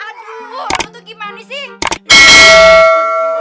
aduh buku tuh gimana sih